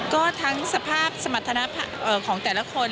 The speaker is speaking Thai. ก็ทั้งสภาพสมรรถนะของแต่ละคน